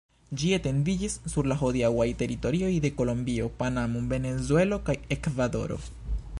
Ĝi etendiĝis sur la hodiaŭaj teritorioj de Kolombio, Panamo, Venezuelo kaj Ekvadoro.